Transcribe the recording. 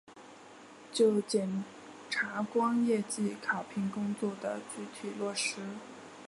就检察官业绩考评工作的具体落实